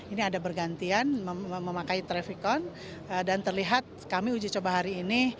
ini ada bergantian memakai trafikon dan terlihat kami uji coba hari ini